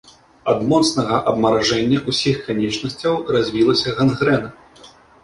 Ад моцнага абмаражэння ўсіх канечнасцяў развілася гангрэна.